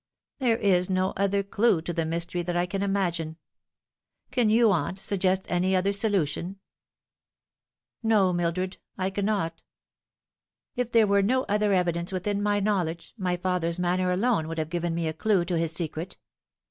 There is no other clue to the mystery that I can imagine. Can you, aunt, suggest any other solution ?"" No, Mildred, I cannot." " If there were no other evidence within my knowledge, my father's manner alone would have given me a clue to his secret.